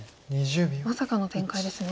まさかの展開ですね。